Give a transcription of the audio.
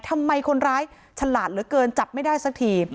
ทำไมคนร้ายฉลาดเหลือเกินจับไม่ได้สักที